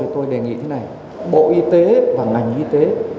tôi đề nghị thế này bộ y tế và ngành y tế